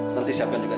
nanti siapkan juga